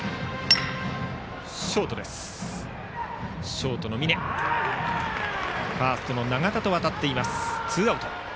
ショートの峯ファーストの永田と渡ってツーアウト。